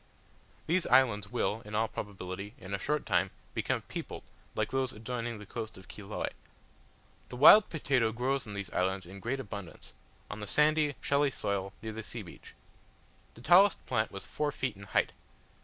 These islands will, in all probability, in a short time become peopled like those adjoining the coast of Chiloe. The wild potato grows on these islands in great abundance, on the sandy, shelly soil near the sea beach. The tallest plant was four feet in height.